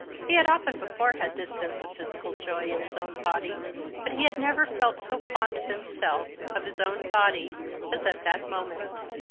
He had often before had this sense of physical joy in his own body, but he had never felt so fond of himself, of his own body, as at that moment.